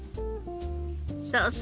そうそう。